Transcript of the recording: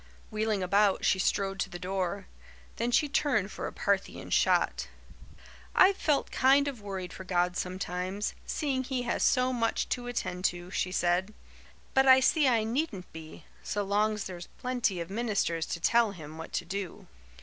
Wheeling about, she strode to the door. Then she turned for a Parthian shot. "I've felt kind of worried for God sometimes, seeing He has so much to attend to," she said, "but I see I needn't be, so long's there's plenty of ministers to tell Him what to do."